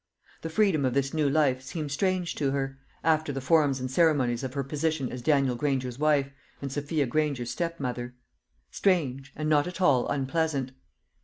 The freedom of this new life seemed strange to her, after the forms and ceremonies of her position as Daniel Granger's wife, and Sophia Granger's stepmother strange, and not at all unpleasant.